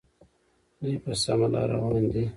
دوی په سمه لار روان دي.